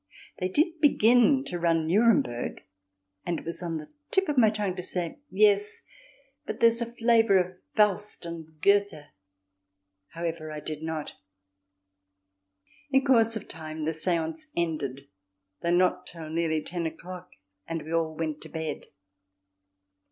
They did begin to run Nuremberg and it was on the tip of my tongue to say, "Yes, but there's the flavour of Faust and Goethe"; however, I did not. In course of time the séance ended, though not till nearly ten o'clock, and we all went to bed.